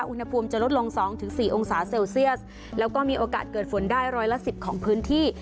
อุณหภูมิจะลดลง๒๔องศาเซลเซียสแล้วก็มีโอกาสเกิดฝนได้ร้อยละสิบของพื้นที่